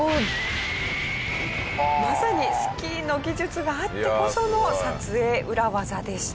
まさにスキーの技術があってこその撮影裏技でした。